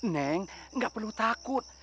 neng nggak perlu takut